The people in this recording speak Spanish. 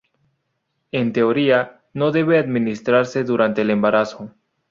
En teoría, no debe administrarse durante el embarazo.